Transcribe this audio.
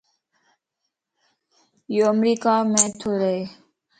ايو امريڪا مَ تورهه